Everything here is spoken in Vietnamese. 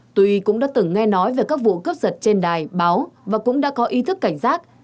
tuy cũng đã từng nghe nói về các vụ cướp giật trên đài báo và cũng đã có ý thức cảnh giác